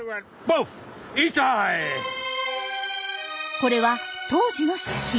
これは当時の写真。